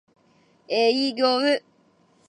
営業